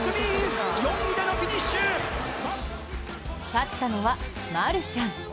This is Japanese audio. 勝ったのは、マルシャン。